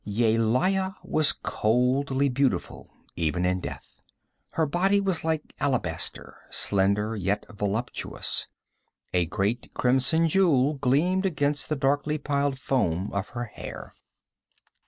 Yelaya was coldly beautiful, even in death. Her body was like alabaster, slender yet voluptuous; a great crimson jewel gleamed against the darkly piled foam of her hair.